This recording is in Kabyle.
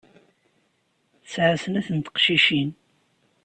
Tesɛa snat n teqcicin.